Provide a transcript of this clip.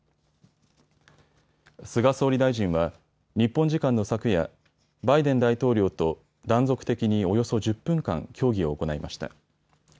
菅総理大臣は日本時間の昨夜、バイデン大統領と断続的におよそ１０分間、協議を行いました。